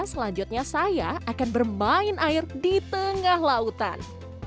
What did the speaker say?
selanjutnya saya akan bermain air di tengah lautan